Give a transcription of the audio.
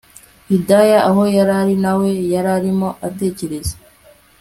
Hidaya aho yarari nawe yararimo atekereza